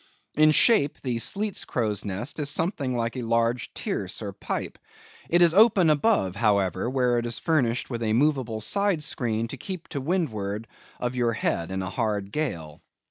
In shape, the Sleet's crow's nest is something like a large tierce or pipe; it is open above, however, where it is furnished with a movable side screen to keep to windward of your head in a hard gale.